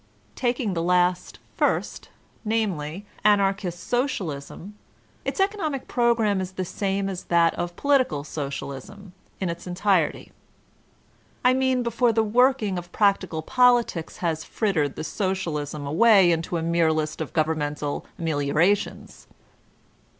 Taking the last first, namely, Anarchist Socialism, — ^its economic program is the same as that of political Socialism, in its entirety ; ^I mean before the working of practical politics has frittered the Socialism away into a mere list of govern mental ameliorations.